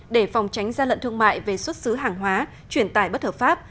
để phòng tránh ra lận thương mại về xuất xứ hàng hóa chuyển tải bất hợp pháp